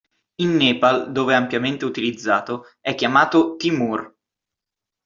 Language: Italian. In Nepal, dove è ampiamente utilizzato, è chiamato "timur".